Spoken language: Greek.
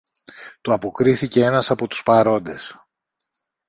του αποκρίθηκε ένας από τους παρόντες.